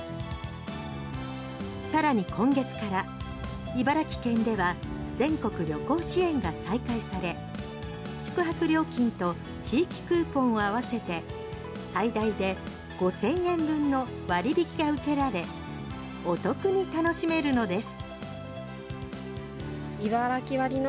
さらに今月から茨城県では全国旅行支援が再開され宿泊料金と地域クーポンを合わせて最大で５０００円分の割引が受けられお得に楽しめるのです。